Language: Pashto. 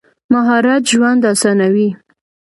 مهارت ژوند اسانوي.